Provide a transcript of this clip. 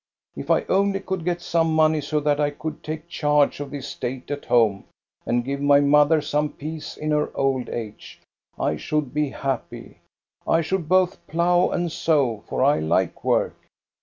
If I only could get some money, so that I could take charge of the estate at home and give my mother some peace in her old age, I should be happy. I should both plough and sow, for [ like work."